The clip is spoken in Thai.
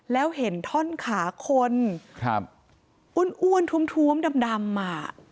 แล้วเห็นท่อนขาคนอุ้นทุ่มดำมา